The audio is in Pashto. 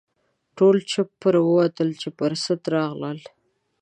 ټول چپه پر ووتل چې پر سد راغلل.